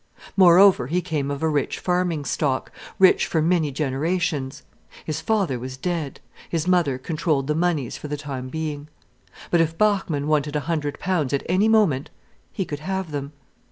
Moreover, he came of a rich farming stock, rich for many generations. His father was dead, his mother controlled the moneys for the time being. But if Bachmann wanted a hundred pounds at any moment, he could have them.